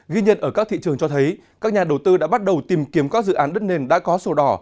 ghi nhận ở các thị trường cho thấy các nhà đầu tư đã bắt đầu tìm kiếm các dự án đất nền đã có sổ đỏ